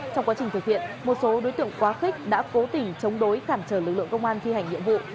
trong quá trình thực hiện một số đối tượng quá khích đã cố tình chống đối cản trở lực lượng công an thi hành nhiệm vụ